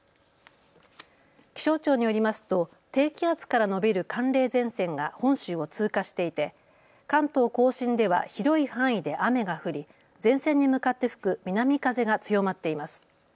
気象庁によりますと低気圧から延びる寒冷前線が本州を通過していて関東甲信では広い範囲で雨が降り前線に向かって吹く南風が強まっています。